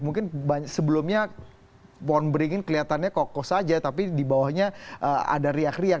mungkin sebelumnya pohon beringin kelihatannya kokoh saja tapi di bawahnya ada riak riak